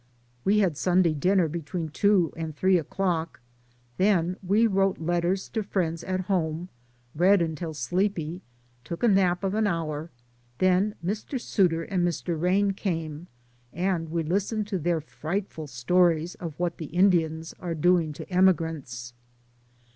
We had Sunday dinner between two and three o'clock, then we wrote letters to friends at home, read until sleepy, took a nap of an hour, then Mr. Suitor and Mr. Rain came, and we listened to their frightful stories of what the Indians are do ing to emigrants.